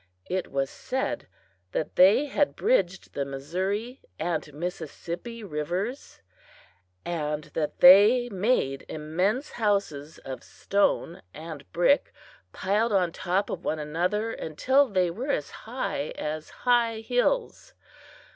It was said that they had bridged the Missouri and Mississippi rivers, and that they made immense houses of stone and brick, piled on top of one another until they were as high as high hills.